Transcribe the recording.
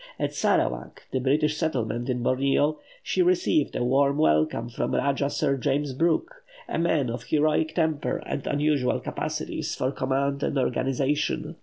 At Sarâwak, the British settlement in Borneo, she received a warm welcome from Rajah Sir James Brooke, a man of heroic temper and unusual capacities for command and organization.